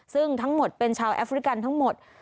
ซึ่งทั้งหมดเป็นชาวแอฟริกันทั้งหมด